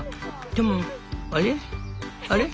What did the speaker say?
でもあれ？